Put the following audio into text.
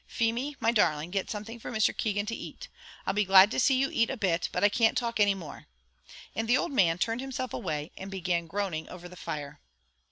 Feemy, my darling, get something for Mr. Keegan to eat. I'll be glad to see you eat a bit, but I can't talk any more." And the old man turned himself away, and began groaning over the fire.